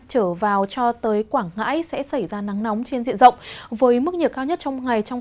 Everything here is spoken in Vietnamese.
trở vào cho tới quảng ngãi sẽ xảy ra nắng nóng trên diện rộng